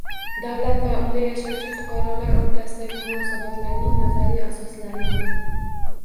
Davlat va unda yashovchi fuqarolar o'rtasidagi munosabatlarning nazariy asoslari mavjud